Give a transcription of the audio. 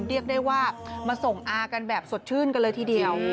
เรียกได้ว่ามาส่งอากันแบบสดชื่นกันเลยทีเดียว